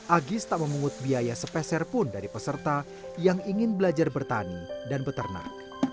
agis tak memungut biaya sepeserpun dari peserta yang ingin belajar bertani dan petanak